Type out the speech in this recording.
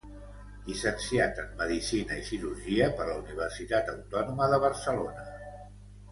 Llicenciat en medicina i cirurgia per la Universitat Autònoma de Barcelona.